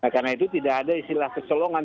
karena itu tidak ada istilah keseluruhan